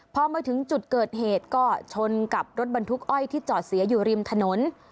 พอมาถึงจุดเกิดเหตุก็ชนกับรถบรรทุกอ้อยที่จอดเสียอยู่ริมถนน